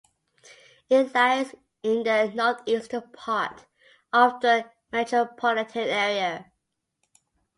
It lies in the northeastern part of the metropolitan area.